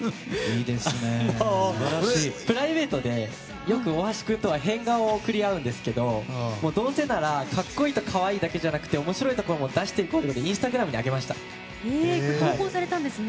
プライベートでよく大橋君とは変顔を送り合うんですけどどうせなら格好いいと可愛いだけじゃなくて面白いところも出していこうよとインスタグラムに上げました。